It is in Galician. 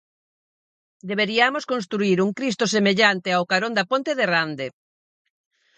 Deberiamos construír un cristo semellante ao carón da ponte de Rande!